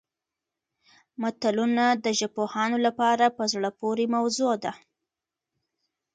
متلونه د ژبپوهانو لپاره په زړه پورې موضوع ده